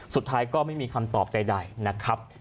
สุดท้ายก็ไม่มีคำตอบใดนะครับ